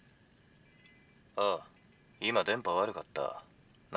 「あ今電波悪かった。何？」。